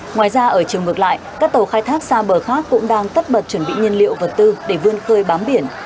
ngoài ra ở chiều ngược lại các tàu khai thác xa bờ khác cũng đang tất bật chuẩn bị nhân liệu vật tư để vươn khơi bám biển